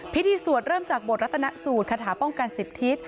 สวดเริ่มจากบทรัฐนสูตรคาถาป้องกัน๑๐ทิศ